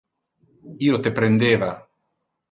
Io te prendeva.